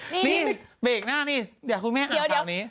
นี่เบรกหน้านี่เดี๋ยวคุณแม่อ่านแบบนี้